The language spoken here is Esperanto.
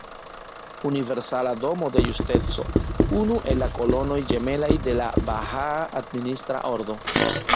Universala Domo de Justeco: Unu el la kolonoj ĝemelaj de la Bahaa administra ordo.